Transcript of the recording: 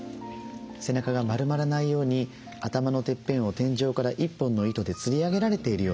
背中が丸まらないように頭のてっぺんを天井から１本の糸でつり上げられているようなイメージですね。